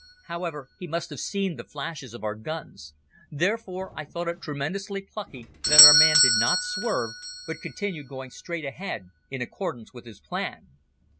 However, he must have seen the flashes of our guns. Therefore I thought it tremendously plucky that our man did not swerve, but continued going straight ahead in accordance with his plan.